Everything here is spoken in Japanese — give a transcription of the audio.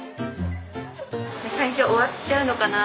最初「終わっちゃうのかな？